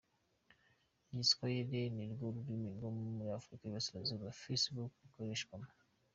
Igiswahili nirwo rurimi rwo muri Afrika y’Iburasirazuba Facebook ikoreshwamo.